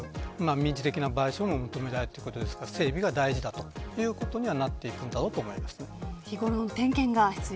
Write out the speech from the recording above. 民事的な賠償も求められるということですから整備が大事だということになると思います。